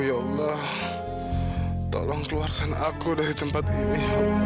ya allah tolong keluarkan aku dari tempat ini